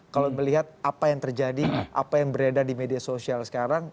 kalau melihat apa yang terjadi apa yang beredar di media sosial sekarang